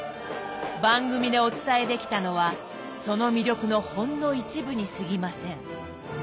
番組でお伝えできたのはその魅力のほんの一部にすぎません。